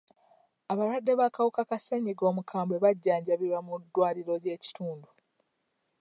Abalwadde b'akawuka ka ssenyiga omukambwe bajjanjabirwa mu ddwaliro ly'ekitundu.